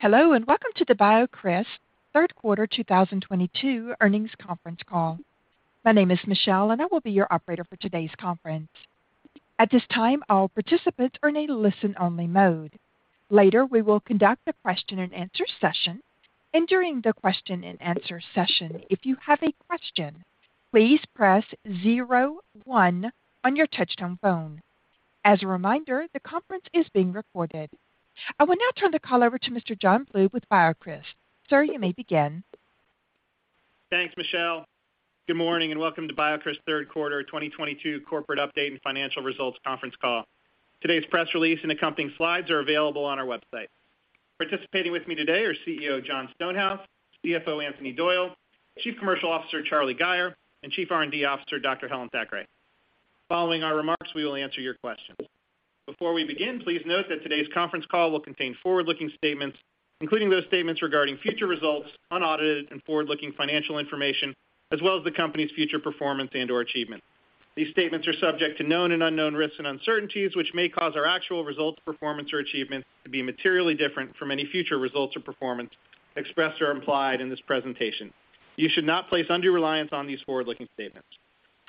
Hello, and welcome to the BioCryst Third Quarter 2022 Earnings Conference Call. My name is Michelle and I will be your operator for today's conference. At this time, all participants are in a listen-only mode. Later, we will conduct a question and answer session. During the question and answer session, if you have a question, please press zero one on your touchtone phone. As a reminder, the conference is being recorded. I will now turn the call over to Mr. John Bluth with BioCryst. Sir, you may begin. Thanks, Michelle. Good morning and welcome to BioCryst Third Quarter 2022 Corporate Update and Financial Results Conference Call. Today's press release and accompanying slides are available on our website. Participating with me today are CEO Jon Stonehouse, CFO Anthony Doyle, Chief Commercial Officer Charlie Gayer, and Chief R&D Officer Dr. Helen Thackray. Following our remarks, we will answer your questions. Before we begin, please note that today's conference call will contain forward-looking statements, including those statements regarding future results, unaudited and forward-looking financial information, as well as the company's future performance and/or achievements. These statements are subject to known and unknown risks and uncertainties, which may cause our actual results, performance or achievements to be materially different from any future results or performance expressed or implied in this presentation. You should not place undue reliance on these forward-looking statements.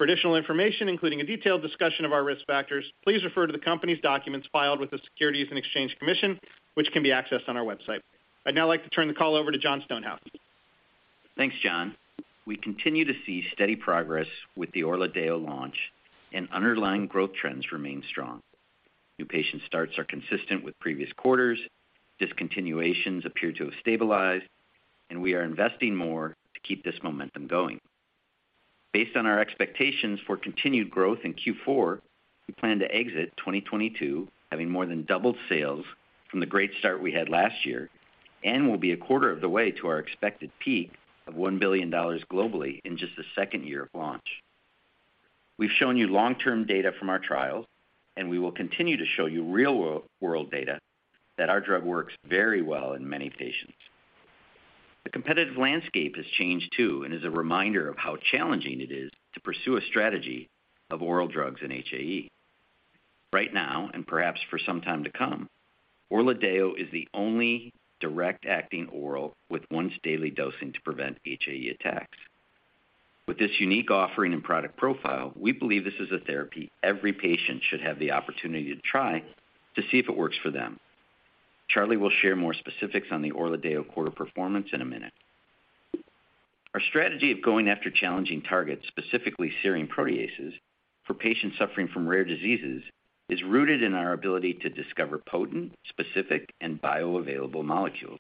For additional information, including a detailed discussion of our risk factors, please refer to the company's documents filed with the Securities and Exchange Commission, which can be accessed on our website. I'd now like to turn the call over to Jon Stonehouse. Thanks, John. We continue to see steady progress with the ORLADEYO launch and underlying growth trends remain strong. New patient starts are consistent with previous quarters. Discontinuations appear to have stabilized, and we are investing more to keep this momentum going. Based on our expectations for continued growth in Q4, we plan to exit 2022 having more than doubled sales from the great start we had last year and will be a quarter of the way to our expected peak of $1 billion globally in just the second year of launch. We've shown you long-term data from our trials, and we will continue to show you real-world data that our drug works very well in many patients. The competitive landscape has changed too and is a reminder of how challenging it is to pursue a strategy of oral drugs in HAE. Right now, and perhaps for some time to come, ORLADEYO is the only direct-acting oral with once daily dosing to prevent HAE attacks. With this unique offering and product profile, we believe this is a therapy every patient should have the opportunity to try to see if it works for them. Charlie will share more specifics on the ORLADEYO quarter performance in a minute. Our strategy of going after challenging targets, specifically serine proteases for patients suffering from rare diseases, is rooted in our ability to discover potent, specific, and bioavailable molecules.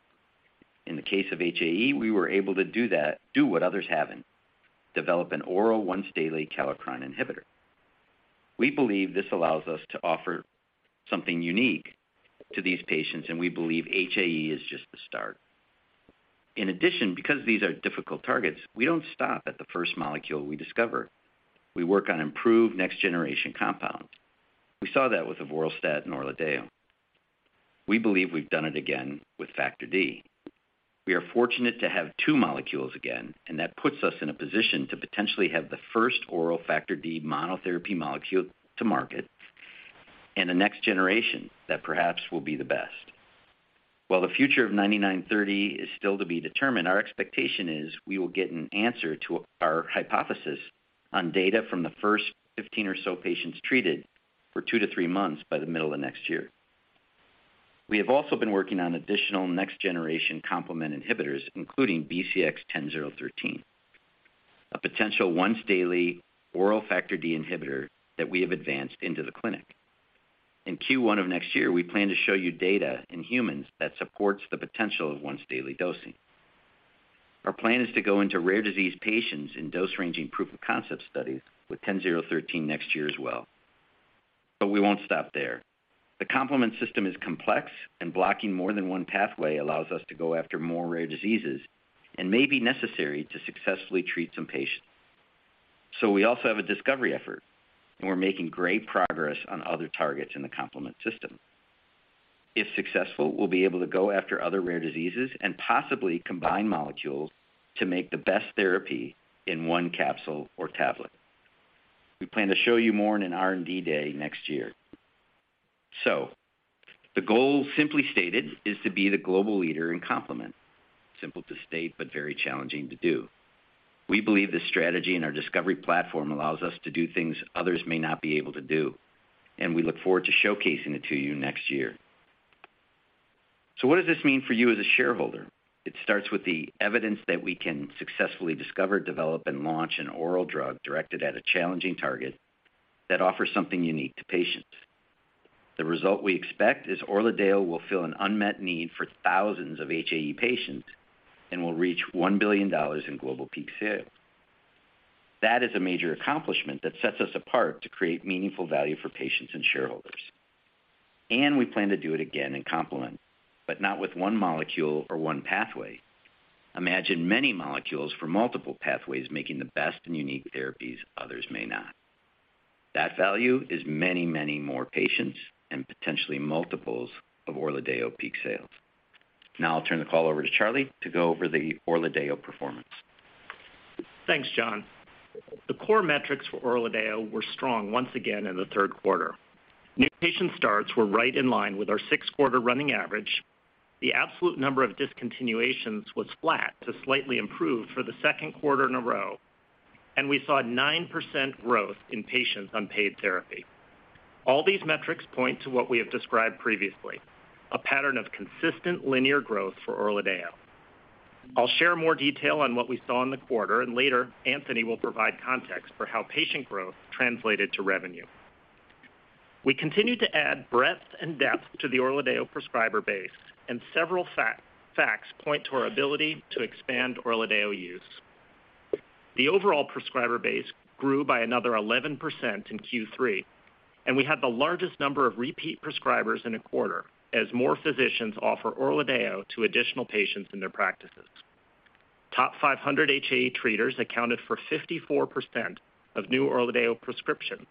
In the case of HAE, we were able to do what others haven't: develop an oral once daily kallikrein inhibitor. We believe this allows us to offer something unique to these patients, and we believe HAE is just the start. In addition, because these are difficult targets, we don't stop at the first molecule we discover. We work on improved next generation compounds. We saw that with avoralstat and ORLADEYO. We believe we've done it again with Factor D. We are fortunate to have two molecules again, and that puts us in a position to potentially have the first oral Factor D monotherapy molecule to market and the next generation that perhaps will be the best. While the future of BCX9930 is still to be determined, our expectation is we will get an answer to our hypothesis on data from the first 15 or so patients treated for 2-3 months by the middle of next year. We have also been working on additional next generation complement inhibitors, including BCX10013, a potential once daily oral Factor D inhibitor that we have advanced into the clinic. In Q1 of next year, we plan to show you data in humans that supports the potential of once daily dosing. Our plan is to go into rare disease patients in dose-ranging proof of concept studies with ten zero thirteen next year as well. We won't stop there. The complement system is complex and blocking more than one pathway allows us to go after more rare diseases and may be necessary to successfully treat some patients. We also have a discovery effort, and we're making great progress on other targets in the complement system. If successful, we'll be able to go after other rare diseases and possibly combine molecules to make the best therapy in one capsule or tablet. We plan to show you more in an R&D day next year. The goal, simply stated, is to be the global leader in complement. Simple to state, but very challenging to do. We believe this strategy and our discovery platform allows us to do things others may not be able to do, and we look forward to showcasing it to you next year. So what does this mean for you as a shareholder? It starts with the evidence that we can successfully discover, develop, and launch an oral drug directed at a challenging target that offers something unique to patients. The result we expect is ORLADEYO will fill an unmet need for thousands of HAE patients and will reach $1 billion in global peak sales. That is a major accomplishment that sets us apart to create meaningful value for patients and shareholders. We plan to do it again in complement, but not with one molecule or one pathway. Imagine many molecules for multiple pathways making the best and unique therapies others may not. That value is many, many more patients and potentially multiples of ORLADEYO peak sales. Now I'll turn the call over to Charlie to go over the ORLADEYO performance. Thanks, John. The core metrics for ORLADEYO were strong once again in the third quarter. New patient starts were right in line with our six-quarter running average. The absolute number of discontinuations was flat to slightly improved for the second quarter in a row, and we saw a 9% growth in patients on paid therapy. All these metrics point to what we have described previously, a pattern of consistent linear growth for ORLADEYO. I'll share more detail on what we saw in the quarter, and later, Anthony will provide context for how patient growth translated to revenue. We continued to add breadth and depth to the ORLADEYO prescriber base, and several facts point to our ability to expand ORLADEYO use. The overall prescriber base grew by another 11% in Q3, and we had the largest number of repeat prescribers in a quarter as more physicians offer ORLADEYO to additional patients in their practices. Top 500 HAE treaters accounted for 54% of new ORLADEYO prescriptions,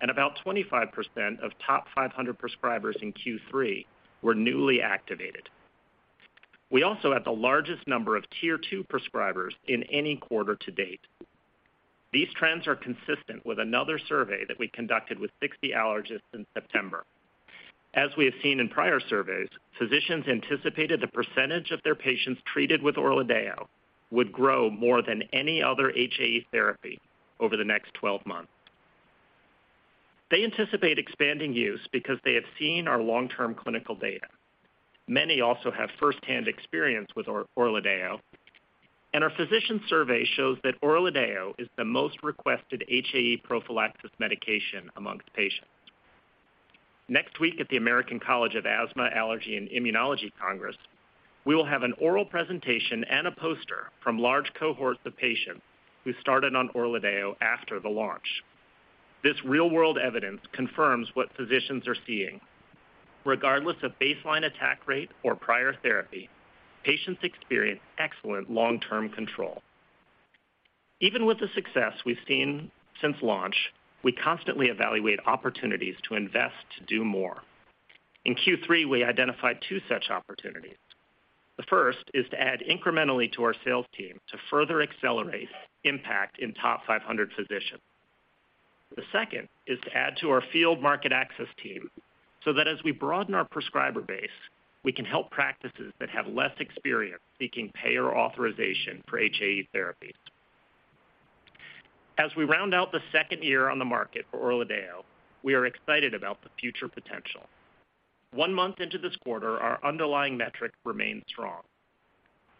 and about 25% of top 500 prescribers in Q3 were newly activated. We also had the largest number of tier two prescribers in any quarter to date. These trends are consistent with another survey that we conducted with 60 allergists in September. As we have seen in prior surveys, physicians anticipated the percentage of their patients treated with ORLADEYO would grow more than any other HAE therapy over the next 12 months. They anticipate expanding use because they have seen our long-term clinical data. Many also have first-hand experience with ORLADEYO, and our physician survey shows that ORLADEYO is the most requested HAE prophylaxis medication among patients. Next week at the American College of Allergy, Asthma & Immunology Congress, we will have an oral presentation and a poster from large cohorts of patients who started on ORLADEYO after the launch. This real-world evidence confirms what physicians are seeing. Regardless of baseline attack rate or prior therapy, patients experience excellent long-term control. Even with the success we've seen since launch, we constantly evaluate opportunities to invest to do more. In Q3, we identified two such opportunities. The first is to add incrementally to our sales team to further accelerate impact in top 500 physicians. The second is to add to our field market access team so that as we broaden our prescriber base, we can help practices that have less experience seeking payer authorization for HAE therapy. As we round out the second year on the market for ORLADEYO, we are excited about the future potential. One month into this quarter, our underlying metric remains strong.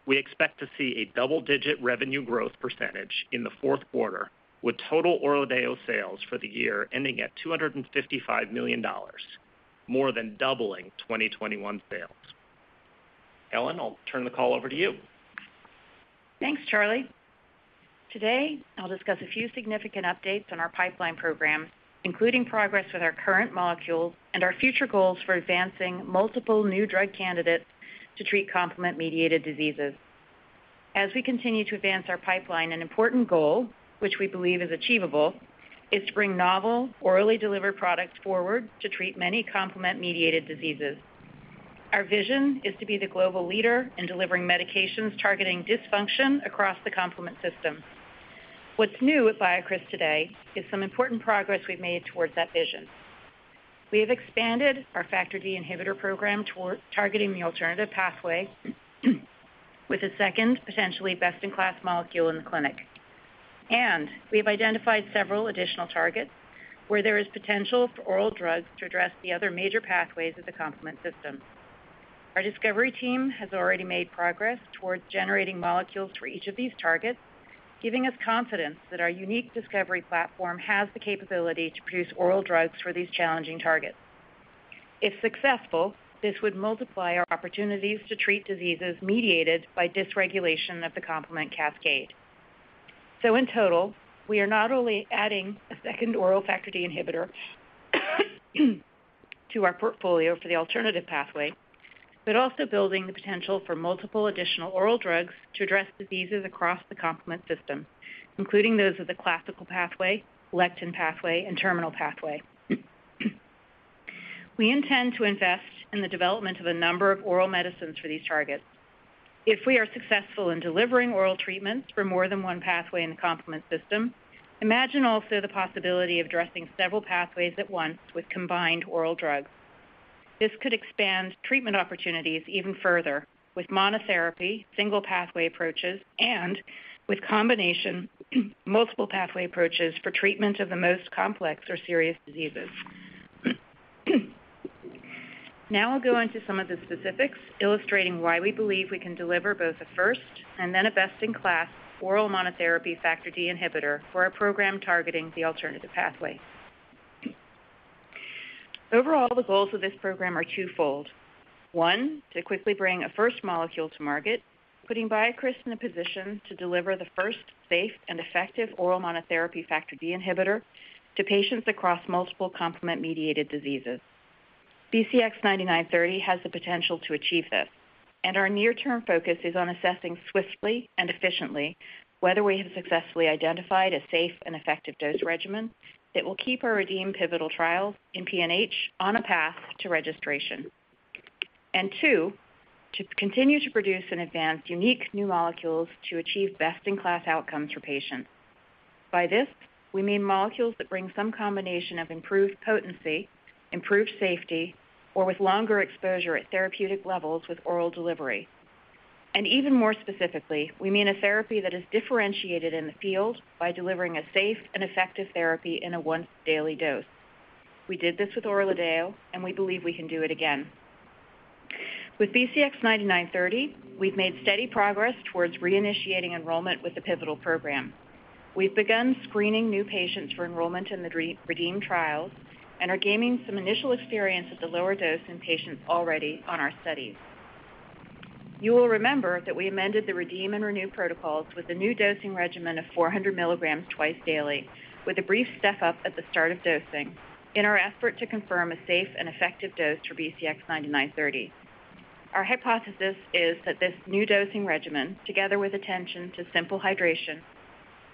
We expect to see a double-digit revenue growth percentage in the fourth quarter, with total ORLADEYO sales for the year ending at $255 million, more than doubling 2021 sales. Helen, I'll turn the call over to you. Thanks, Charlie. Today, I'll discuss a few significant updates on our pipeline programs, including progress with our current molecules and our future goals for advancing multiple new drug candidates to treat complement-mediated diseases. As we continue to advance our pipeline, an important goal, which we believe is achievable, is to bring novel orally delivered products forward to treat many complement-mediated diseases. Our vision is to be the global leader in delivering medications targeting dysfunction across the complement system. What's new at BioCryst today is some important progress we've made towards that vision. We have expanded our Factor D inhibitor program toward targeting the alternative pathway with a second potentially best-in-class molecule in the clinic. We have identified several additional targets where there is potential for oral drugs to address the other major pathways of the complement system. Our discovery team has already made progress towards generating molecules for each of these targets, giving us confidence that our unique discovery platform has the capability to produce oral drugs for these challenging targets. If successful, this would multiply our opportunities to treat diseases mediated by dysregulation of the complement cascade. In total, we are not only adding a second oral Factor D inhibitor to our portfolio for the alternative pathway, but also building the potential for multiple additional oral drugs to address diseases across the complement system, including those of the classical pathway, lectin pathway, and terminal pathway. We intend to invest in the development of a number of oral medicines for these targets. If we are successful in delivering oral treatments for more than one pathway in the complement system, imagine also the possibility of addressing several pathways at once with combined oral drugs. This could expand treatment opportunities even further with monotherapy, single pathway approaches, and with combination multiple pathway approaches for treatment of the most complex or serious diseases. Now I'll go into some of the specifics illustrating why we believe we can deliver both a first and then a best-in-class oral monotherapy Factor D inhibitor for our program targeting the alternative pathway. Overall, the goals of this program are twofold. One, to quickly bring a first molecule to market, putting BioCryst in a position to deliver the first safe and effective oral monotherapy Factor D inhibitor to patients across multiple complement-mediated diseases. BCX9930 has the potential to achieve this, and our near-term focus is on assessing swiftly and efficiently whether we have successfully identified a safe and effective dose regimen that will keep our REDEEM pivotal trial in PNH on a path to registration. Two, to continue to produce and advance unique new molecules to achieve best-in-class outcomes for patients. By this, we mean molecules that bring some combination of improved potency, improved safety, or with longer exposure at therapeutic levels with oral delivery. Even more specifically, we mean a therapy that is differentiated in the field by delivering a safe and effective therapy in a once daily dose. We did this with ORLADEYO, and we believe we can do it again. With BCX9930, we've made steady progress towards reinitiating enrollment with the pivotal program. We've begun screening new patients for enrollment in the REDEEM trials, and are gaining some initial experience at the lower dose in patients already on our studies. You will remember that we amended the REDEEM and RENEW protocols with the new dosing regimen of 400 mg twice daily, with a brief step up at the start of dosing in our effort to confirm a safe and effective dose for BCX9930. Our hypothesis is that this new dosing regimen, together with attention to simple hydration,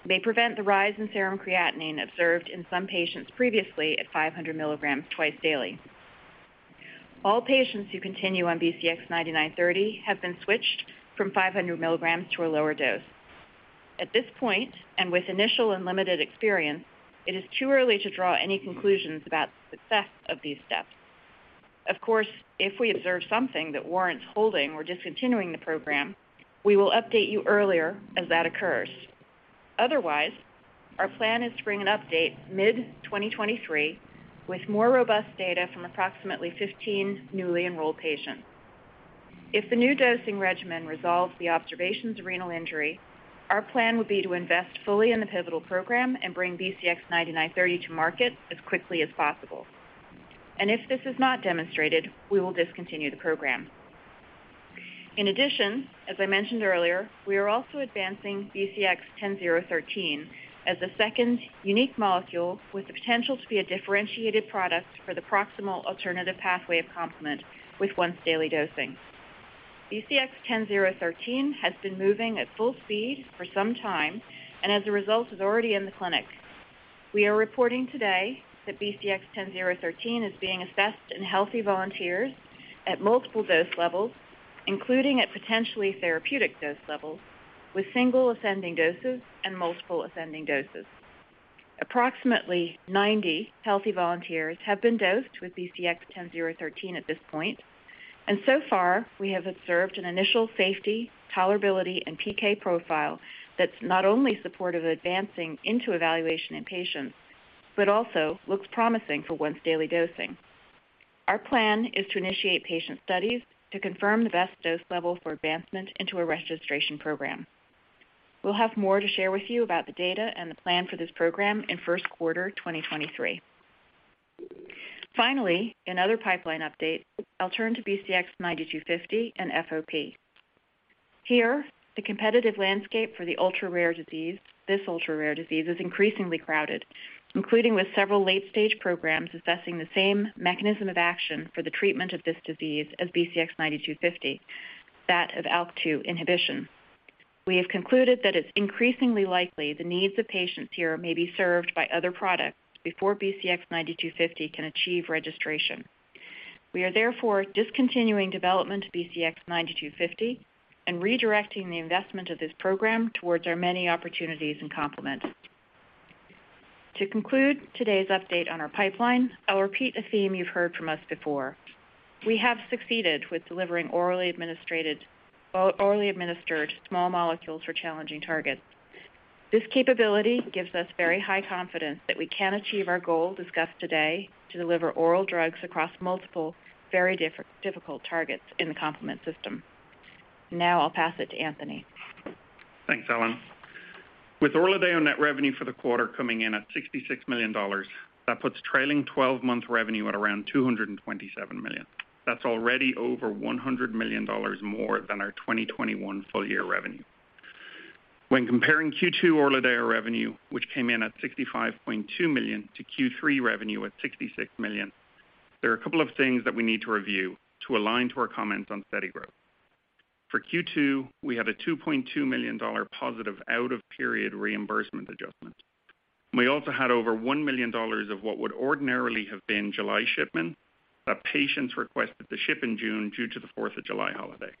may prevent the rise in serum creatinine observed in some patients previously at 500 mg twice daily. All patients who continue on BCX9930 have been switched from 500 mg to a lower dose. At this point, and with initial and limited experience, it is too early to draw any conclusions about the success of these steps. Of course, if we observe something that warrants holding or discontinuing the program, we will update you earlier as that occurs. Otherwise, our plan is to bring an update mid-2023 with more robust data from approximately 15 newly enrolled patients. If the new dosing regimen resolves the observations of renal injury, our plan would be to invest fully in the pivotal program and bring BCX9930 to market as quickly as possible. If this is not demonstrated, we will discontinue the program. In addition, as I mentioned earlier, we are also advancing BCX10013 as a second unique molecule with the potential to be a differentiated product for the proximal alternative pathway of complement with once daily dosing. BCX10013 has been moving at full speed for some time and as a result is already in the clinic. We are reporting today that BCX10013 is being assessed in healthy volunteers at multiple dose levels, including at potentially therapeutic dose levels, with single ascending doses and multiple ascending doses. Approximately 90 healthy volunteers have been dosed with BCX10013 at this point, and so far we have observed an initial safety, tolerability, and PK profile that's not only supportive of advancing into evaluation in patients, but also looks promising for once daily dosing. Our plan is to initiate patient studies to confirm the best dose level for advancement into a registration program. We'll have more to share with you about the data and the plan for this program in first quarter 2023. Finally, in other pipeline updates, I'll turn to BCX9250 and FOP. The competitive landscape for the ultra-rare disease is increasingly crowded, including with several late-stage programs assessing the same mechanism of action for the treatment of this disease as BCX9250, that of ALK-2 inhibition. We have concluded that it's increasingly likely the needs of patients here may be served by other products before BCX9250 can achieve registration. We are therefore discontinuing development of BCX9250 and redirecting the investment of this program towards our many opportunities in complement. To conclude today's update on our pipeline, I'll repeat a theme you've heard from us before. We have succeeded with delivering orally administered small molecules for challenging targets. This capability gives us very high confidence that we can achieve our goal discussed today to deliver oral drugs across multiple, very difficult targets in the complement system. Now I'll pass it to Anthony. Thanks, Helen. With ORLADEYO net revenue for the quarter coming in at $66 million, that puts trailing 12-month revenue at around $227 million. That's already over $100 million more than our 2021 full year revenue. When comparing Q2 ORLADEYO revenue, which came in at $65.2 million, to Q3 revenue at $66 million, there are a couple of things that we need to review to align to our comments on steady growth. For Q2, we had a $2.2 million positive out of period reimbursement adjustment. We also had over $1 million of what would ordinarily have been July shipment that patients requested to ship in June due to the 4th of July holiday.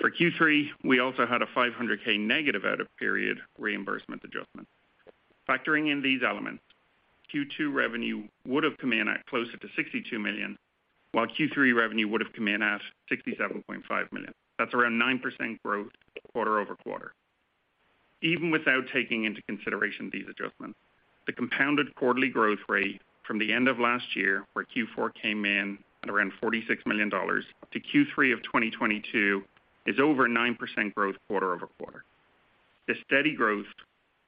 For Q3, we also had a $500K negative out of period reimbursement adjustment. Factoring in these elements, Q2 revenue would have come in at closer to $62 million, while Q3 revenue would have come in at $67.5 million. That's around 9% growth quarter-over-quarter. Even without taking into consideration these adjustments, the compounded quarterly growth rate from the end of last year, where Q4 came in at around $46 million, to Q3 of 2022 is over 9% growth quarter-over-quarter. This steady growth,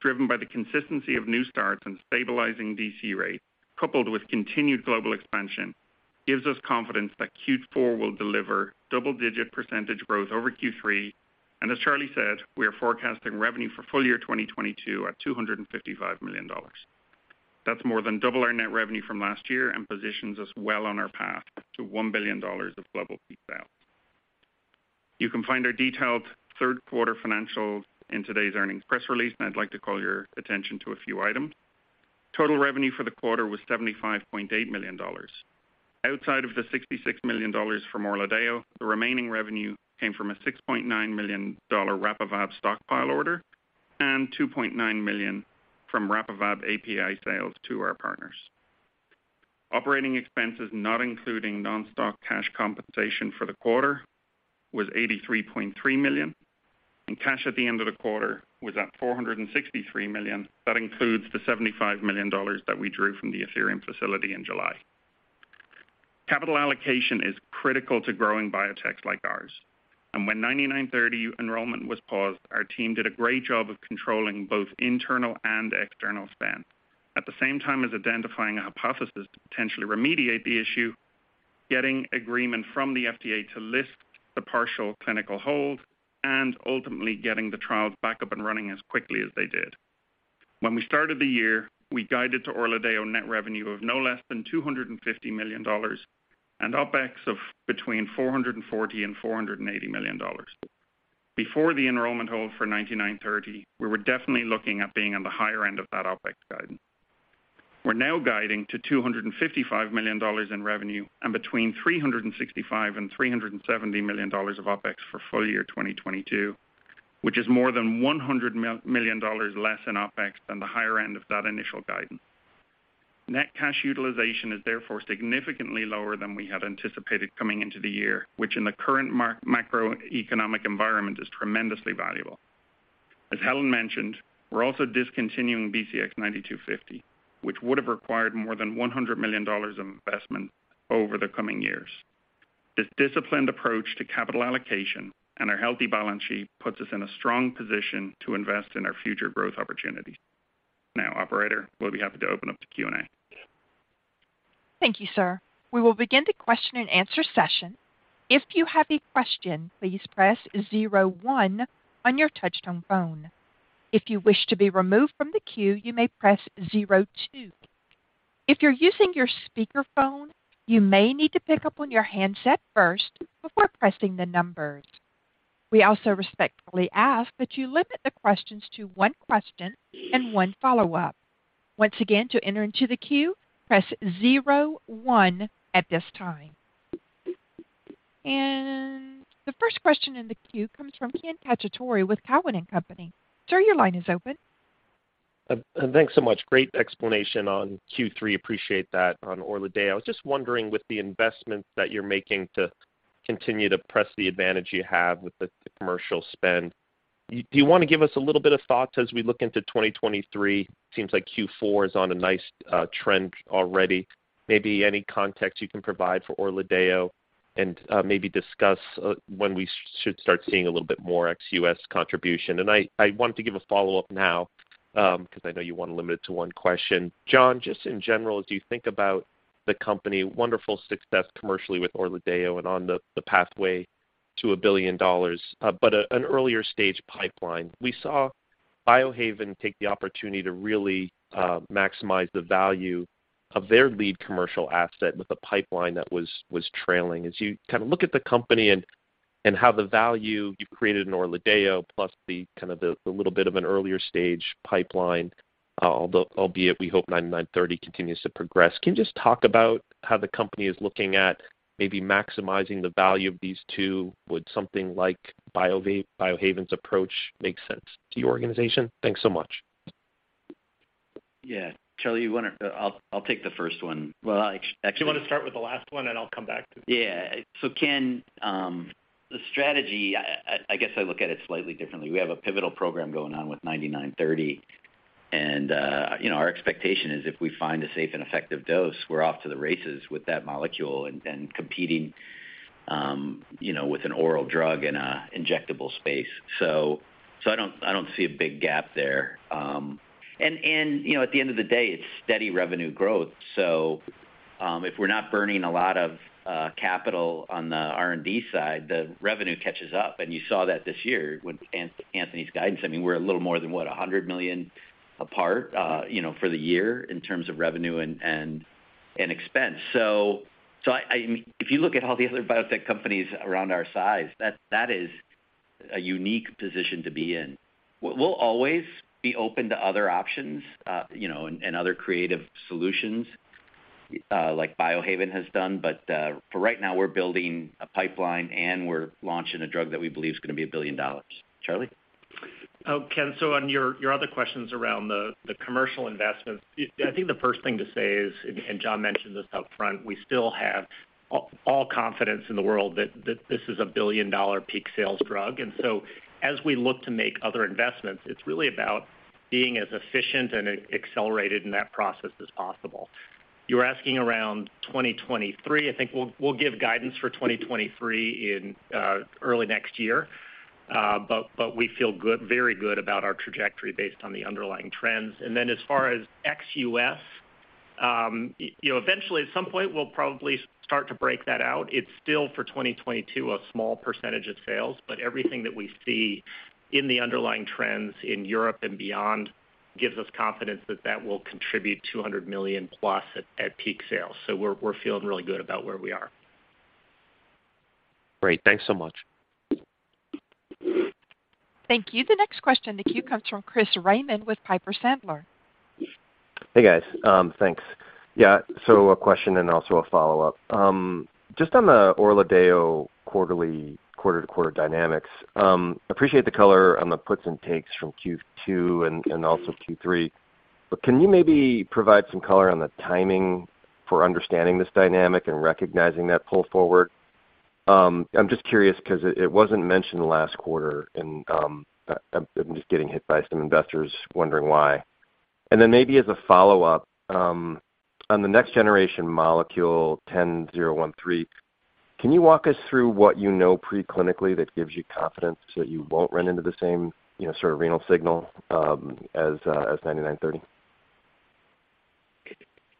driven by the consistency of new starts and stabilizing DC rates, coupled with continued global expansion, gives us confidence that Q4 will deliver double-digit percentage growth over Q3. As Charlie said, we are forecasting revenue for full-year 2022 at $255 million. That's more than double our net revenue from last year and positions us well on our path to $1 billion of global peak sales. You can find our detailed third quarter financials in today's earnings press release, and I'd like to call your attention to a few items. Total revenue for the quarter was $75.8 million. Outside of the $66 million from ORLADEYO, the remaining revenue came from a $6.9 million RAPIVAD stockpile order and $2.9 million from RAPIVAD API sales to our partners. Operating expenses, not including non-stock cash compensation for the quarter, was $83.3 million, and cash at the end of the quarter was at $463 million. That includes the $75 million that we drew from the Athyrium facility in July. Capital allocation is critical to growing biotechs like ours. When BCX9930 enrollment was paused, our team did a great job of controlling both internal and external spend, at the same time as identifying a hypothesis to potentially remediate the issue, getting agreement from the FDA to lift the partial clinical hold and ultimately getting the trials back up and running as quickly as they did. When we started the year, we guided to ORLADEYO net revenue of no less than $250 million and OpEX of between $440 million and $480 million. Before the enrollment hold for BCX9930, we were definitely looking at being on the higher end of that OpEX guidance. We're now guiding to $255 million in revenue and between $365 million and $370 million of OpEX for full year 2022, which is more than $100 million less in OpEX than the higher end of that initial guidance. Net cash utilization is therefore significantly lower than we had anticipated coming into the year, which in the current macroeconomic environment is tremendously valuable. As Helen mentioned, we're also discontinuing BCX9250, which would have required more than $100 million of investment over the coming years. This disciplined approach to capital allocation and our healthy balance sheet puts us in a strong position to invest in our future growth opportunities. Now, operator, we'll be happy to open up to Q&A. Thank you, sir. We will begin the question and answer session. If you have a question, please press zero one on your touchtone phone. If you wish to be removed from the queue, you may press zero two. If you're using your speakerphone, you may need to pick up on your handset first before pressing the numbers. We also respectfully ask that you limit the questions to one question and one follow-up. Once again, to enter into the queue, press zero one at this time. The first question in the queue comes from Ken Cacciatore with Cowen and Company. Sir, your line is open. Thanks so much. Great explanation on Q3. Appreciate that on ORLADEYO. I was just wondering, with the investment that you're making to continue to press the advantage you have with the commercial spend, do you want to give us a little bit of thoughts as we look into 2023? Seems like Q4 is on a nice trend already. Maybe any context you can provide for ORLADEYO and maybe discuss when we should start seeing a little bit more ex-US contribution. I wanted to give a follow-up now, because I know you want to limit it to one question. Jon, just in general, as you think about the company, wonderful success commercially with ORLADEYO and on the pathway to $1 billion, but an earlier stage pipeline. We saw Biohaven take the opportunity to really maximize the value of their lead commercial asset with a pipeline that was trailing. As you kind of look at the company and how the value you've created in ORLADEYO plus the kind of little bit of an earlier stage pipeline, albeit we hope BCX9930 continues to progress. Can you just talk about how the company is looking at maybe maximizing the value of these two? Would something like Biohaven's approach make sense to your organization? Thanks so much. Yeah. Charlie, I'll take the first one. Well, actually. Do you want to start with the last one, and I'll come back to the. Yeah. Ken, the strategy, I guess I look at it slightly differently. We have a pivotal program going on with BCX9930, you know, our expectation is if we find a safe and effective dose, we're off to the races with that molecule and competing, you know, with an oral drug in an injectable space. I don't see a big gap there. You know, at the end of the day, it's steady revenue growth. If we're not burning a lot of capital on the R&D side, the revenue catches up. You saw that this year when Anthony's guidance. I mean, we're a little more than $100 million apart, you know, for the year in terms of revenue and expense. If you look at all the other biotech companies around our size, that is a unique position to be in. We'll always be open to other options, you know, and other creative solutions, like Biohaven has done. For right now we're building a pipeline, and we're launching a drug that we believe is gonna be a $1 billion. Charlie? Oh, Ken, on your other questions around the commercial investments, I think the first thing to say is, Jon mentioned this up front, we still have all confidence in the world that this is a billion-dollar peak sales drug. As we look to make other investments, it's really about being as efficient and accelerated in that process as possible. You're asking around 2023. I think we'll give guidance for 2023 in early next year. We feel good, very good about our trajectory based on the underlying trends. As far as ex-US, you know, eventually at some point, we'll probably start to break that out. It's still for 2022, a small percentage of sales, but everything that we see in the underlying trends in Europe and beyond. Gives us confidence that that will contribute $200 million + at peak sales. We're feeling really good about where we are. Great. Thanks so much. Thank you. The next question in the queue comes from Chris Raymond with Piper Sandler. Hey, guys. Thanks. Yeah, so a question and also a follow-up. Just on the ORLADEYO quarter-to-quarter dynamics, appreciate the color on the puts and takes from Q2 and also Q3, but can you maybe provide some color on the timing for understanding this dynamic and recognizing that pull forward? I'm just curious because it wasn't mentioned last quarter and I'm just getting hit by some investors wondering why. Maybe as a follow-up, on the next generation molecule BCX10013, can you walk us through what you know pre-clinically that gives you confidence that you won't run into the same, you know, sort of renal signal, as BCX9930?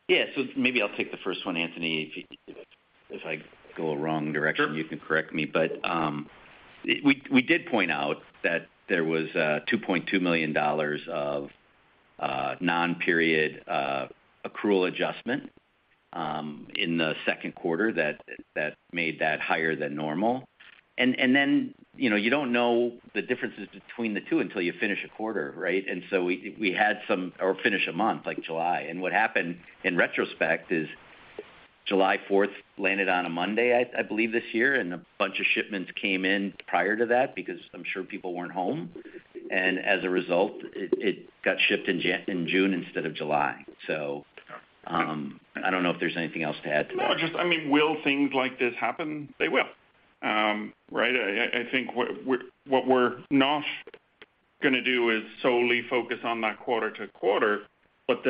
Yeah. Maybe I'll take the first one, Anthony. If I go the wrong direction. Sure. You can correct me. We did point out that there was $2.2 million of non-recurring accrual adjustment in the second quarter that made that higher than normal. Then, you know, you don't know the differences between the two until you finish a quarter, right? Or finish a month like July. What happened in retrospect is July 4th landed on a Monday, I believe this year, and a bunch of shipments came in prior to that because I'm sure people weren't home. As a result, it got shipped in June instead of July. I don't know if there's anything else to add to that. No, just I mean, will things like this happen? They will. Right? I think what we're not gonna do is solely focus on that quarter-to-quarter, but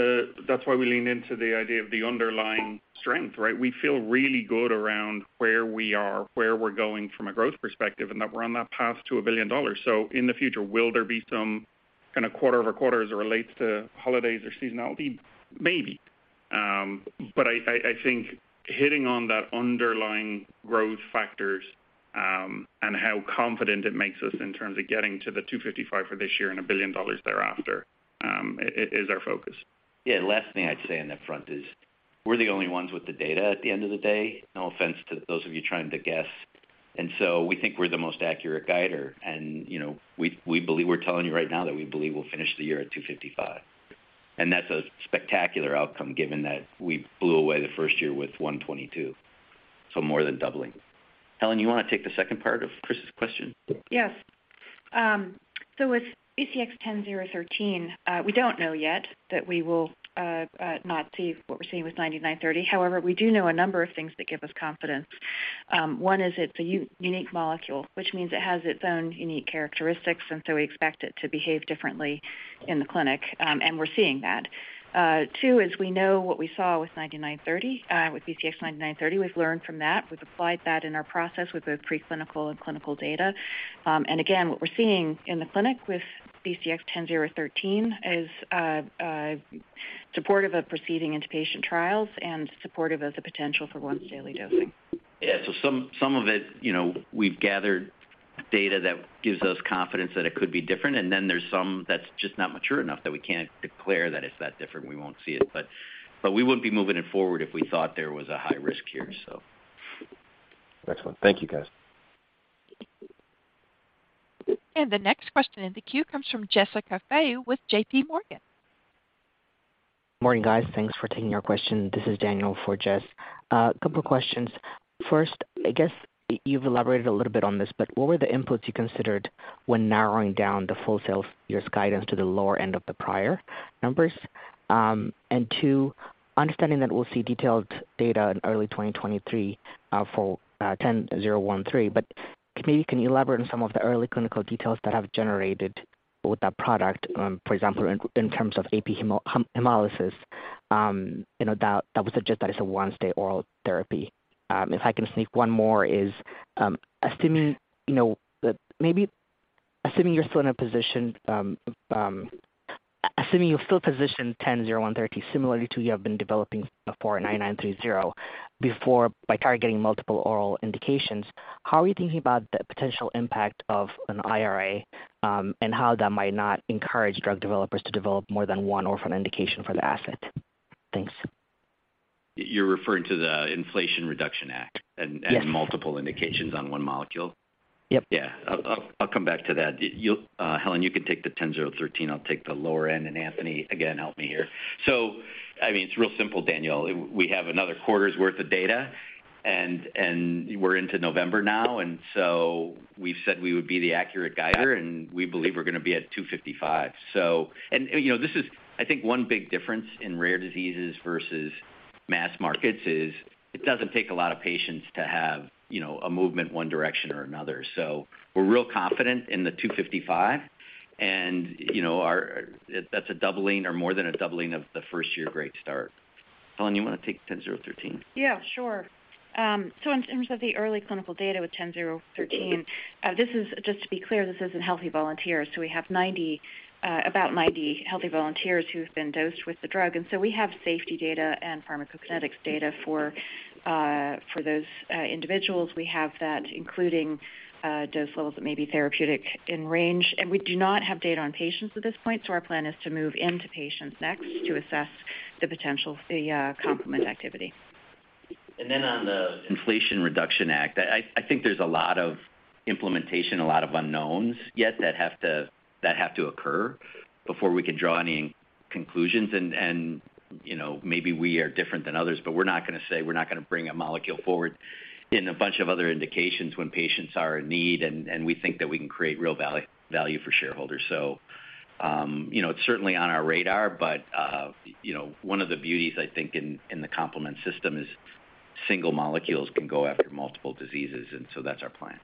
that's why we lean into the idea of the underlying strength, right? We feel really good around where we are, where we're going from a growth perspective, and that we're on that path to $1 billion. In the future, will there be some kind of quarter-over-quarter as it relates to holidays or seasonality? Maybe. But I think hitting on that underlying growth factors, and how confident it makes us in terms of getting to the $255 million for this year and $1 billion thereafter, is our focus. Yeah. Last thing I'd say on that front is we're the only ones with the data at the end of the day, no offense to those of you trying to guess. We think we're the most accurate guider and, you know, we believe we're telling you right now that we believe we'll finish the year at $255 million. That's a spectacular outcome given that we blew away the first year with $122 million, so more than doubling. Helen, you wanna take the second part of Chris's question? Yes. With BCX10013, we don't know yet that we will not see what we're seeing with BCX9930. However, we do know a number of things that give us confidence. One is it's a unique molecule, which means it has its own unique characteristics, and so we expect it to behave differently in the clinic, and we're seeing that. Two is we know what we saw with BCX9930 with BCX9930. We've learned from that. We've applied that in our process with the preclinical and clinical data. Again, what we're seeing in the clinic with BCX10013 is supportive of proceeding into patient trials and supportive of the potential for once-daily dosing. Yeah. Some of it, you know, we've gathered data that gives us confidence that it could be different, and then there's some that's just not mature enough that we can't declare that it's that different, we won't see it. But we wouldn't be moving it forward if we thought there was a high risk here, so. Excellent. Thank you, guys. The next question in the queue comes from Jessica Fye with JPMorgan. Morning, guys. Thanks for taking our question. This is Daniel for Jess. A couple of questions. First, I guess you've elaborated a little bit on this, but what were the inputs you considered when narrowing down the full-year sales guidance to the lower end of the prior numbers? And two, understanding that we'll see detailed data in early 2023 for BCX10013, but maybe can you elaborate on some of the early clinical details that have been generated with that product, for example, in terms of PNH hemolysis, you know, that would suggest that it's a once-daily oral therapy. If I can sneak one more in, assuming you're still positioned BCX10013, similarly to how you've been developing BCX9930 by targeting multiple oral indications, how are you thinking about the potential impact of an IRA, and how that might not encourage drug developers to develop more than one orphan indication for the asset? Thanks. You're referring to the Inflation Reduction Act. Yes. Multiple indications on one molecule? Yep. Yeah. I'll come back to that. You, Helen, you can take the BCX10013. I'll take the lower end. Anthony, again, help me here. I mean, it's real simple, Daniel. We have another quarter's worth of data and we're into November now, and we've said we would be the accurate guider, and we believe we're gonna be at $255 million. You know, this is I think one big difference in rare diseases versus mass markets is it doesn't take a lot of patients to have, you know, a movement one direction or another. We're real confident in the $255 million and, you know, that's a doubling or more than a doubling of the first year great start. Helen, you wanna take BCX10013? Yeah, sure. In terms of the early clinical data with BCX10013, this is, just to be clear, this is in healthy volunteers. We have about 90 healthy volunteers who have been dosed with the drug. We have safety data and pharmacokinetics data for those individuals. We have that including dose levels that may be therapeutic in range. We do not have data on patients at this point, so our plan is to move into patients next to assess the potential, the complement activity. Then on the Inflation Reduction Act, I think there's a lot of implementation, a lot of unknowns yet that have to occur before we can draw any conclusions. You know, maybe we are different than others, but we're not gonna say we're not gonna bring a molecule forward in a bunch of other indications when patients are in need and we think that we can create real value for shareholders. You know, it's certainly on our radar, but you know, one of the beauties, I think, in the complement system is single molecules can go after multiple diseases, and that's our plan.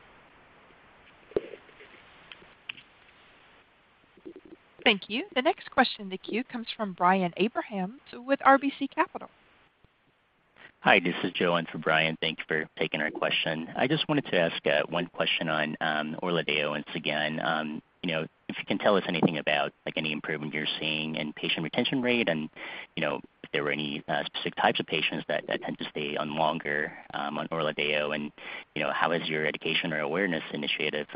Thank you. The next question in the queue comes from Brian Abrahams with RBC Capital. Hi, this is Joan for Brian. Thank you for taking our question. I just wanted to ask one question on ORLADEYO once again. You know, if you can tell us anything about, like, any improvement you're seeing in patient retention rate and, you know, if there were any specific types of patients that tend to stay on longer on ORLADEYO. You know, how has your education or awareness initiative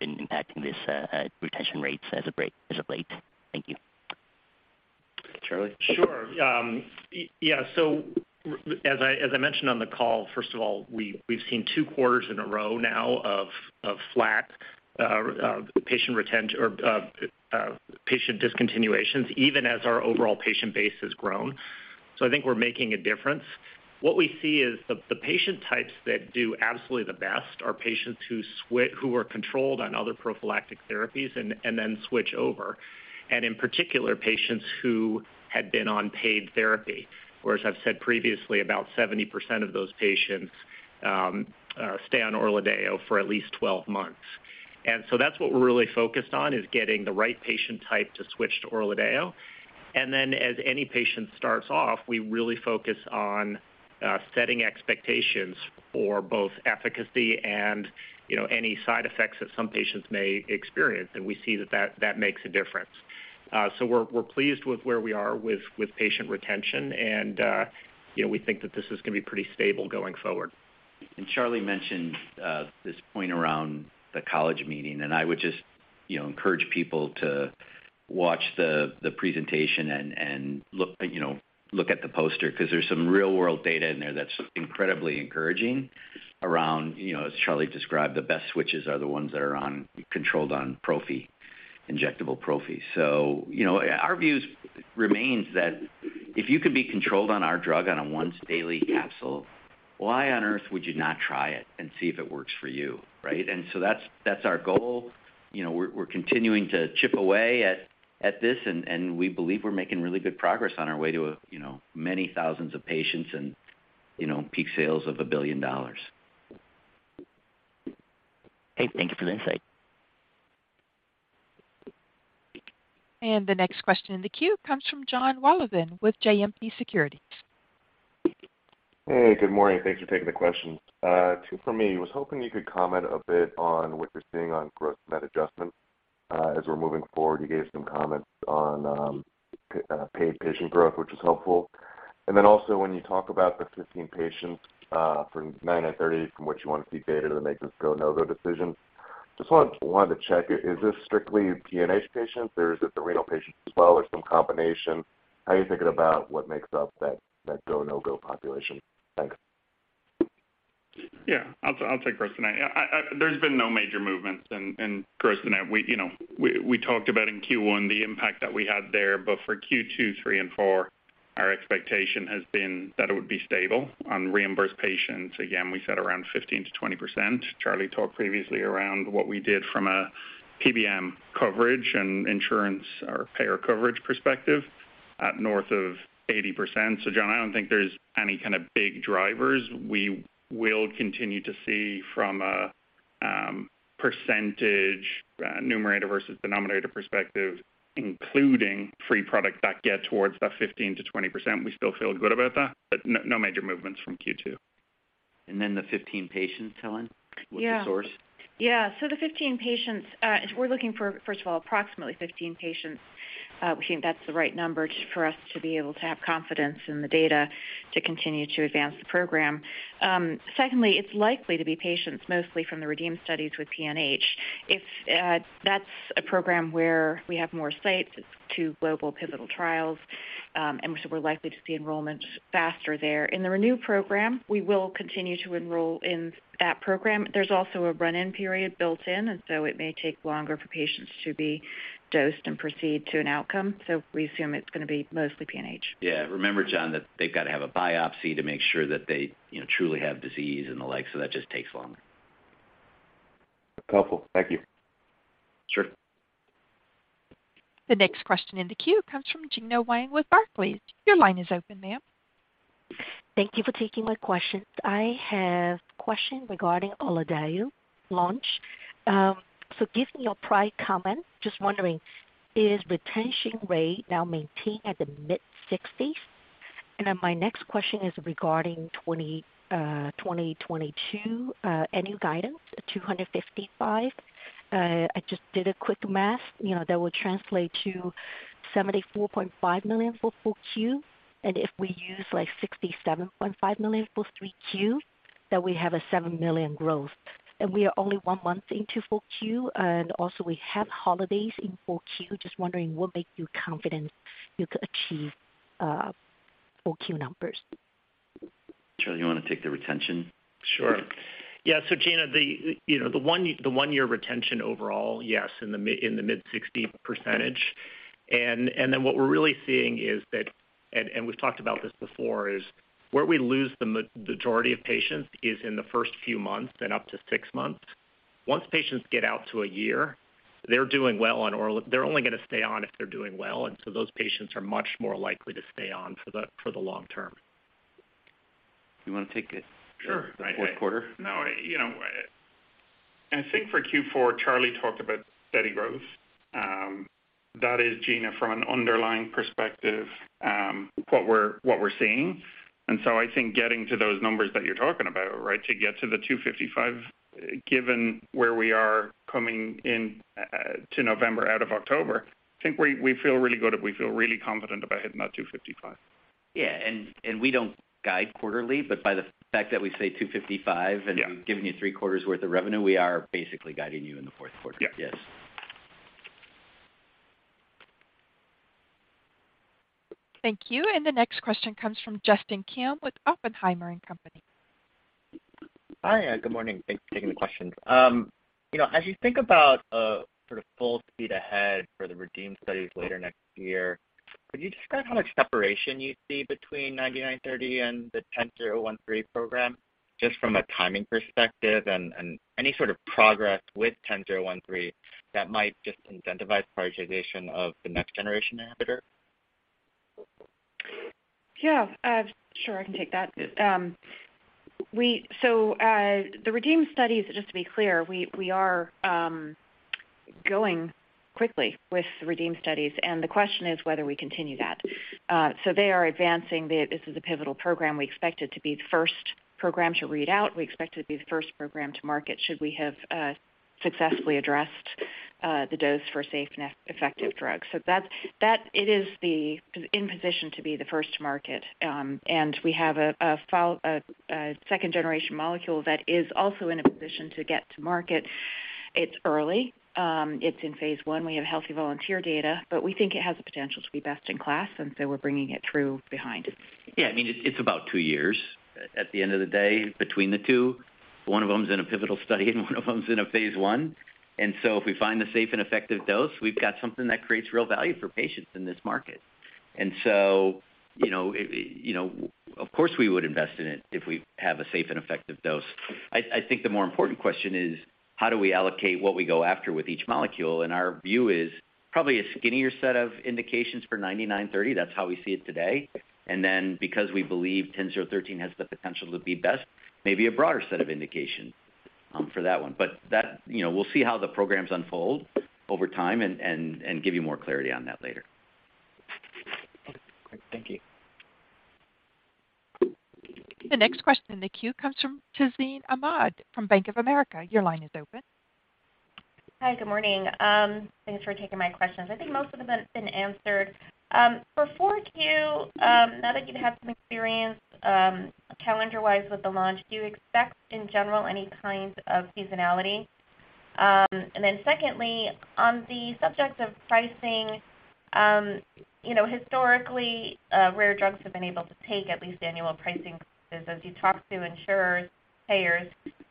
been impacting this retention rates as of late? Thank you. Charlie? Sure. Yeah. As I mentioned on the call, first of all, we've seen two quarters in a row now of flat patient discontinuations, even as our overall patient base has grown. I think we're making a difference. What we see is the patient types that do absolutely the best are patients who were controlled on other prophylactic therapies and then switch over. In particular, patients who had been on prophylactic therapy, whereas I've said previously about 70% of those patients stay on ORLADEYO for at least 12 months. That's what we're really focused on, is getting the right patient type to switch to ORLADEYO. As any patient starts off, we really focus on setting expectations for both efficacy and, you know, any side effects that some patients may experience. We see that that makes a difference. We're pleased with where we are with patient retention and, you know, we think that this is gonna be pretty stable going forward. Charlie mentioned this point around the college meeting, and I would just, you know, encourage people to watch the presentation and look, you know, look at the poster 'cause there's some real-world data in there that's incredibly encouraging around, you know, as Charlie described, the best switches are the ones that are controlled on prophy, injectable prophy. Our view remains that if you could be controlled on our drug on a once daily capsule, why on earth would you not try it and see if it works for you, right? That's our goal. You know, we're continuing to chip away at this, and we believe we're making really good progress on our way to, you know, many thousands of patients and, you know, peak sales of $1 billion. Okay. Thank you for the insight. The next question in the queue comes from Jonathan Wolleben with JMP Securities. Hey, good morning. Thanks for taking the questions. Two for me. Was hoping you could comment a bit on what you're seeing on gross-to-net adjustments as we're moving forward. You gave some comments on paid patient growth, which was helpful. When you talk about the 15 patients from 9/30 from which you wanna see data to make this go/no-go decision, just wanted to check, is this strictly PNH patients, or is it the renal patients as well, or some combination? How are you thinking about what makes up that go/no-go population? Thanks. Yeah. I'll take gross-to-net. There's been no major movements in gross-to-net. We, you know, we talked about in Q1 the impact that we had there. For Q2, Q3 and Q4, our expectation has been that it would be stable on reimbursed patients. Again, we said around 15%-20%. Charlie talked previously around what we did from a PBM coverage and insurance or payer coverage perspective at north of 80%. Jon, I don't think there's any kinda big drivers. We will continue to see from a percentage numerator versus denominator perspective, including free product that get towards that 15%-20%. We still feel good about that, but no major movements from Q2. the 15 patients, Helen. Yeah. With the source. Yeah. The 15 patients we're looking for, first of all, approximately 15 patients. We think that's the right number for us to be able to have confidence in the data to continue to advance the program. Secondly, it's likely to be patients mostly from the REDEEM studies with PNH. If that's a program where we have more sites, it's two global pivotal trials, and we're likely to see enrollment faster there. In the RENEW program, we will continue to enroll in that program. There's also a run-in period built in, and it may take longer for patients to be dosed and proceed to an outcome. We assume it's gonna be mostly PNH. Yeah. Remember, Jon, that they've got to have a biopsy to make sure that they, you know, truly have disease and the like, so that just takes longer. Helpful. Thank you. Sure. The next question in the queue comes from Gena Wang with Barclays. Your line is open, ma'am. Thank you for taking my questions. I have question regarding ORLADEYO launch. Given your prior comment, just wondering, is retention rate now maintained at the mid-60%? My next question is regarding 2022, any guidance at $255 million? I just did a quick math. You know, that would translate to $74.5 million for 4Q. If we use, like, $67.5 million for 3Q, then we have a $7 million growth. We are only one month into full Q, and also we have holidays in full Q. Just wondering what makes you confident you could achieve full Q numbers. Charlie, you wanna take the retention? Sure. Yeah. Gena, you know, the one-year retention overall, yes, in the mid 60%. What we're really seeing is that, we've talked about this before, is where we lose the majority of patients is in the first few months and up to six months. Once patients get out to a year, they're doing well on ORLADEYO. They're only gonna stay on if they're doing well, and so those patients are much more likely to stay on for the long term. You wanna take the- Sure. Fourth quarter? No. You know, I think for Q4, Charlie talked about steady growth. That is Gena from an underlying perspective, what we're seeing. I think getting to those numbers that you're talking about, right, to get to the $255million, given where we are coming in to November out of October, I think we feel really good, we feel really confident about hitting that $255 million. We don't guide quarterly, but by the fact that we say $255 million. Yeah. We've given you three quarters worth of revenue. We are basically guiding you in the fourth quarter. Yeah. Yes. Thank you. The next question comes from Justin Kim with Oppenheimer & Company. Hi. Good morning. Thanks for taking the questions. You know, as you think about a sort of full speed ahead for the REDEEM studies later next year, could you describe how much separation you see between BCX9930 and the BCX10013 program, just from a timing perspective and any sort of progress with BCX10013 that might just incentivize prioritization of the next generation inhibitor? Yeah. Sure, I can take that. The REDEEM studies, just to be clear, we are going quickly with the REDEEM studies, and the question is whether we continue that. They are advancing. This is a pivotal program. We expect it to be the first program to read out. We expect it to be the first program to market, should we have successfully addressed the dose for a safe and effective drug. That's it. It is in position to be the first to market. We have a second generation molecule that is also in a position to get to market. It's early. It's in phase one. We have healthy volunteer data, but we think it has the potential to be best in class, and so we're bringing it through behind. Yeah. I mean, it's about two years at the end of the day between the two. One of them is in a pivotal study and one of them is in a phase I. If we find the safe and effective dose, we've got something that creates real value for patients in this market. You know, of course, we would invest in it if we have a safe and effective dose. I think the more important question is how do we allocate what we go after with each molecule? Our view is probably a skinnier set of indications for BCX9930. That's how we see it today. Because we believe BCX10013 has the potential to be best, maybe a broader set of indication for that one. You know, we'll see how the programs unfold over time and give you more clarity on that later. Okay. Great. Thank you. The next question in the queue comes from Tazeen Ahmad from Bank of America. Your line is open. Hi. Good morning. Thanks for taking my questions. I think most of them have been answered. For 4Q, now that you'd have some experience, calendar-wise with the launch, do you expect in general any kind of seasonality? Then secondly, on the subject of pricing, you know, historically, rare drugs have been able to take at least annual pricing increases. As you talk to insurers, payers,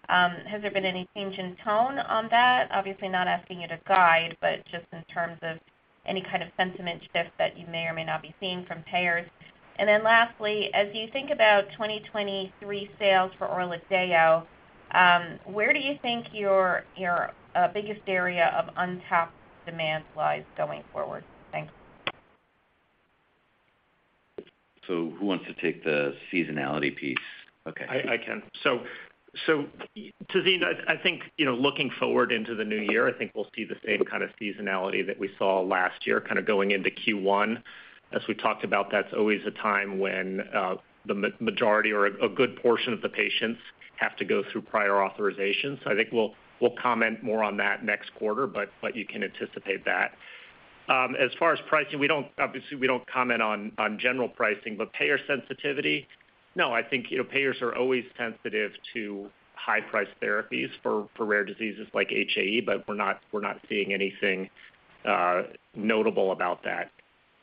has there been any change in tone on that? Obviously, not asking you to guide, but just in terms of any kind of sentiment shift that you may or may not be seeing from payers. Lastly, as you think about 2023 sales for ORLADEYO, where do you think your biggest area of untapped demand lies going forward? Thanks. Who wants to take the seasonality piece? Okay. I can. Tazeen, I think, you know, looking forward into the new year, I think we'll see the same kind of seasonality that we saw last year, kind of going into Q1. As we talked about, that's always a time when the majority or a good portion of the patients have to go through prior authorizations. I think we'll comment more on that next quarter, but you can anticipate that. As far as pricing, we don't obviously, we don't comment on general pricing. Payer sensitivity, no, I think, you know, payers are always sensitive to high price therapies for rare diseases like HAE, but we're not seeing anything notable about that.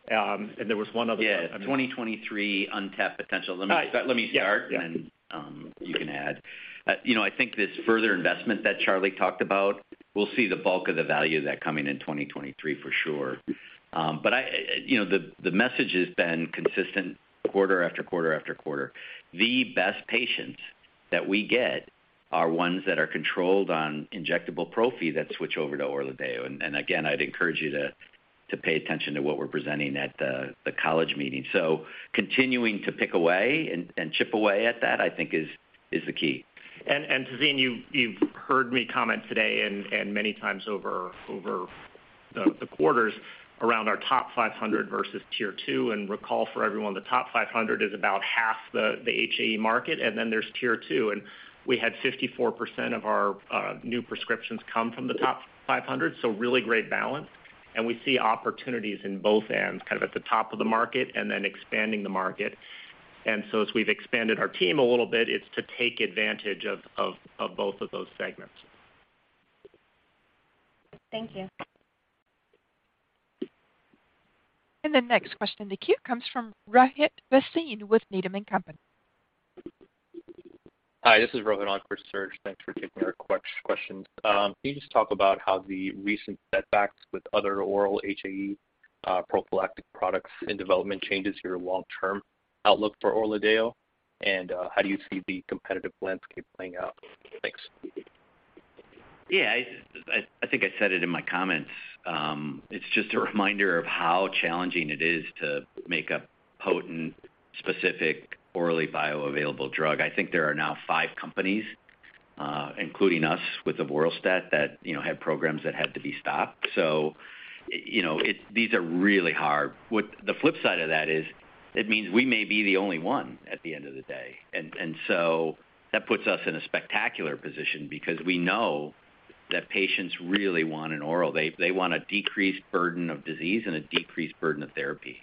There was one other- Yeah. 2023 untapped potential. Uh. Let me start. Yeah. You can add. You know, I think this further investment that Charlie talked about, we'll see the bulk of the value of that coming in 2023 for sure. But I, you know, the message has been consistent quarter after quarter after quarter. The best patients that we get are ones that are controlled on injectable prophy that switch over to ORLADEYO. And again, I'd encourage you to pay attention to what we're presenting at the college meeting. Continuing to pick away and chip away at that, I think is the key. Tazeen, you've heard me comment today and many times over the quarters around our top 500 versus tier two. Recall for everyone, the top 500 is about half the HAE market, and then there's tier two. We had 54% of our new prescriptions come from the top 500, so really great balance. We see opportunities in both ends, kind of at the top of the market and then expanding the market. As we've expanded our team a little bit, it's to take advantage of both of those segments. Thank you. The next question in the queue comes from Rohit Krish with Needham & Company. Hi, this is Rohit on for Serge. Thanks for taking our questions. Can you just talk about how the recent setbacks with other oral HAE prophylactic products and development changes your long-term outlook for ORLADEYO? How do you see the competitive landscape playing out? Thanks. Yeah, I think I said it in my comments. It's just a reminder of how challenging it is to make a potent, specific, orally bioavailable drug. I think there are now five companies, including us with the avoralstat, that you know had programs that had to be stopped. So you know, these are really hard. What the flip side of that is, it means we may be the only one at the end of the day. That puts us in a spectacular position because we know that patients really want an oral. They want a decreased burden of disease and a decreased burden of therapy.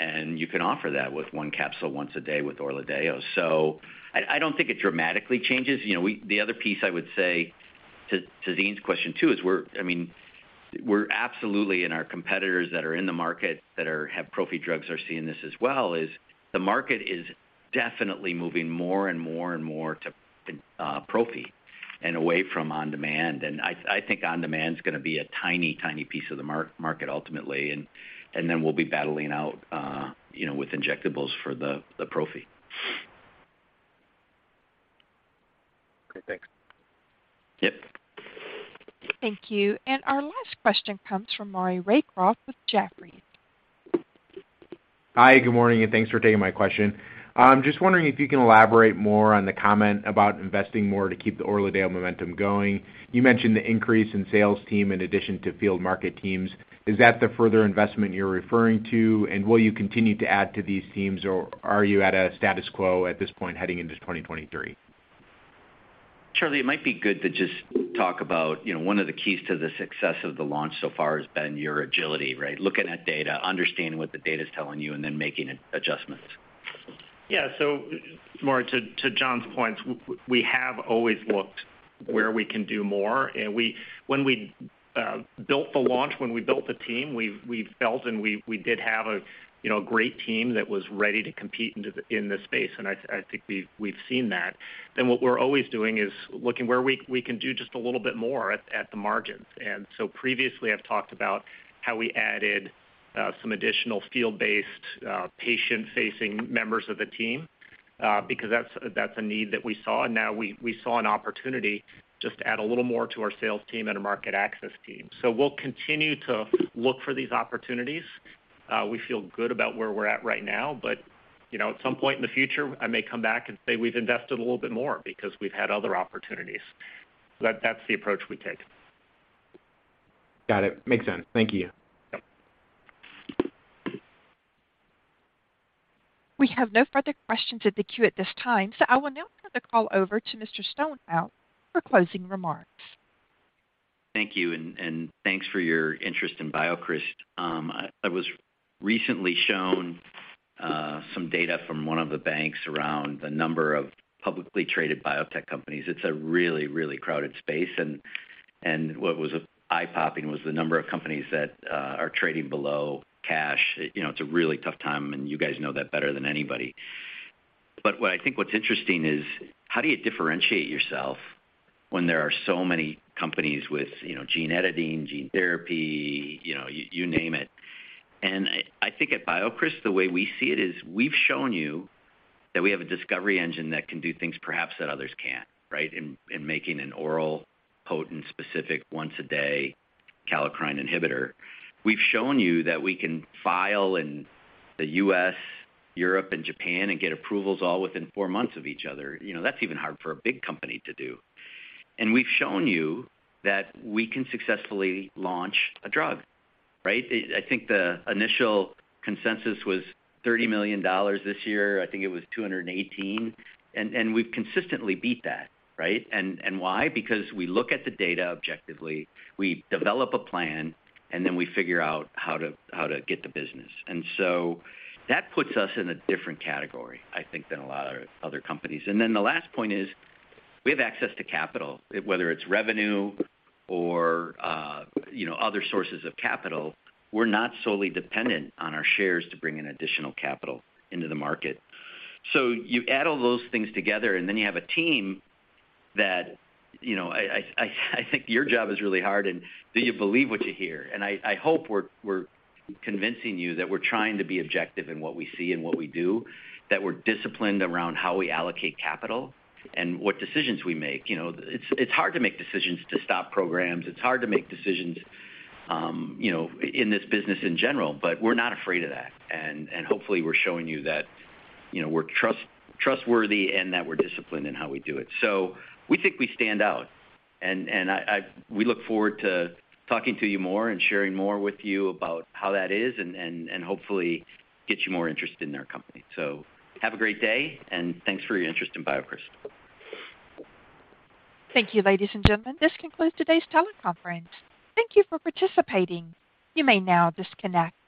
You can offer that with one capsule once a day with ORLADEYO. So I don't think it dramatically changes. You know, the other piece I would say to Zane's question, too, is we're—I mean, we're absolutely seeing our competitors that are in the market that have prophy drugs are seeing this as well. The market is definitely moving more and more and more to prophy and away from on-demand. I think on-demand is gonna be a tiny piece of the market ultimately. Then we'll be battling out, you know, with injectables for the prophy. Okay, thanks. Yep. Thank you. Our last question comes from Maury Raycroft with Jefferies. Hi, good morning, and thanks for taking my question. I'm just wondering if you can elaborate more on the comment about investing more to keep the ORLADEYO momentum going. You mentioned the increase in sales team in addition to field market teams. Is that the further investment you're referring to? Will you continue to add to these teams, or are you at a status quo at this point heading into 2023? Charlie, it might be good to just talk about, you know, one of the keys to the success of the launch so far has been your agility, right? Looking at data, understanding what the data is telling you, and then making adjustments. Yeah. Maury, to Jon's points, we have always looked where we can do more. When we built the launch, when we built the team, we felt and we did have, you know, a great team that was ready to compete in this space, and I think we've seen that. What we're always doing is looking where we can do just a little bit more at the margins. Previously, I've talked about how we added some additional field-based patient-facing members of the team because that's a need that we saw. Now we saw an opportunity just to add a little more to our sales team and a market access team. We'll continue to look for these opportunities. We feel good about where we're at right now, but you know, at some point in the future, I may come back and say we've invested a little bit more because we've had other opportunities. That's the approach we take. Got it. Makes sense. Thank you. Yep. We have no further questions in the queue at this time, so I will now turn the call over to Mr. Stonehouse for closing remarks. Thank you and thanks for your interest in BioCryst. I was recently shown some data from one of the banks around the number of publicly traded biotech companies. It's a really crowded space. What was eye-popping was the number of companies that are trading below cash. You know, it's a really tough time, and you guys know that better than anybody. What I think what's interesting is how do you differentiate yourself when there are so many companies with, you know, gene editing, gene therapy, you know, you name it. I think at BioCryst, the way we see it is we've shown you that we have a discovery engine that can do things perhaps that others can't, right? In making an oral potent, specific once a day kallikrein inhibitor. We've shown you that we can file in the U.S., Europe, and Japan and get approvals all within four months of each other. You know, that's even hard for a big company to do. We've shown you that we can successfully launch a drug, right? I think the initial consensus was $30 million this year. I think it was $218 million. We've consistently beat that, right? Why? Because we look at the data objectively, we develop a plan, and then we figure out how to get the business. That puts us in a different category, I think, than a lot of other companies. The last point is we have access to capital. Whether it's revenue or, you know, other sources of capital, we're not solely dependent on our shares to bring in additional capital into the market. You add all those things together, and then you have a team that, you know, I think your job is really hard, and do you believe what you hear? I hope we're convincing you that we're trying to be objective in what we see and what we do, that we're disciplined around how we allocate capital and what decisions we make. You know, it's hard to make decisions to stop programs. It's hard to make decisions, you know, in this business in general, but we're not afraid of that. Hopefully, we're showing you that, you know, we're trustworthy and that we're disciplined in how we do it. We think we stand out. We look forward to talking to you more and sharing more with you about how that is and hopefully get you more interested in our company. Have a great day, and thanks for your interest in BioCryst. Thank you, ladies and gentlemen. This concludes today's teleconference. Thank you for participating. You may now disconnect.